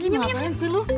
ini ngapain dulu